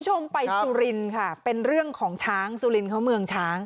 คุณผู้ชมไปสุรินทร์ค่ะเป็นเรื่องของช้างสุรินทร์เขาเมืองช้าง